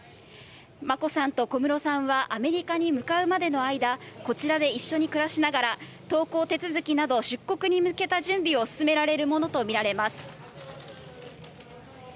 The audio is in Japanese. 眞子さんと小室さんはアメリカに向かうまでの間、こちらで一緒に暮らしながら、渡航手続きなど出国に向けた準備を進められるものと見られます。